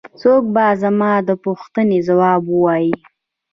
څوک به زما د پوښتنې ځواب ووايي.